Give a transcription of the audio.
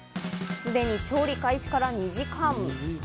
すでに調理開始から２時間。